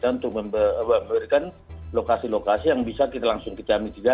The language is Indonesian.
untuk memberikan lokasi lokasi yang bisa kita langsung kejamin juga